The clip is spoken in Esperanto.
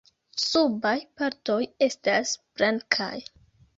Subaj partoj estas blankaj.